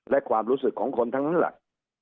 และความรู้สึกของคนทั้งนั้นแหละ